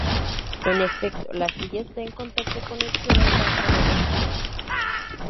En efecto, la silla está en contacto con el suelo tan solo dos puntos.